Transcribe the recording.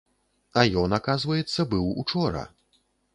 А ён, аказваецца, быў учора.